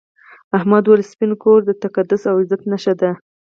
احمد وویل سپین کور د تقدس او عزت نښه ده.